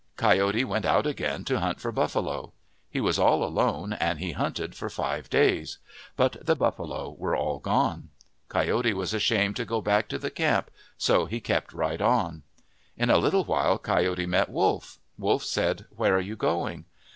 Coyote went out again to hunt for buffalo. He was all alone and he hunted for five days. But the buffalo were all gone. Coyote was ashamed to go back to the camp so he kept right on. In a little while Coyote met Wolf. Wolf said, " Where are you going